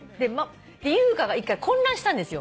で優香が１回混乱したんですよ。